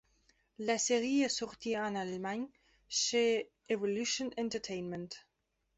La série est sortie en Allemagne chez Evolution Entertainment.